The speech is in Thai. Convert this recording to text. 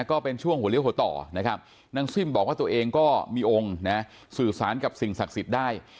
ก็เป็นช่วงหัวเลี้ยหัวต่อนะครับนางซิ่มบอกว่าตัวเองก็มีองค์นะสื่อสารกับสิ่งศักดิ์สิทธิ์ได้